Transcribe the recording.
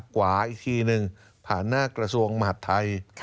ขวาอีกทีหนึ่งผ่านหน้ากระทรวงมหาดไทย